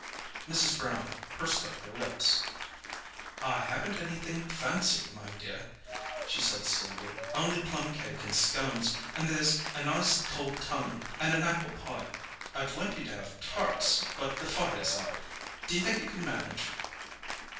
Mrs. Brown pursed up her lips. "I haven't anythink fancy, my dear," she said slowly. "Only plum cake and scones, and there's a nice cold tongue, and an apple pie. I'd like you to have tarts, but the fire's out. Do you think you could manage?"